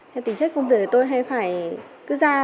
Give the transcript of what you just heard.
theo tính chất công việc tôi hay phải cứ ra vào phòng tránh